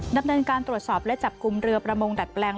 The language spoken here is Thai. ดำเนินการตรวจสอบและจับกลุ่มเรือประมงดัดแปลง